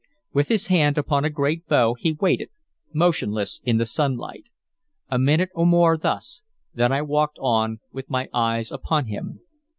With his hand upon a great bow, he waited, motionless in the sunlight. A minute or more thus; then I walked on with my eyes upon him.